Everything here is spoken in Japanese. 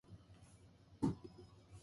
雨の音が屋根を伝って、優しく耳に届く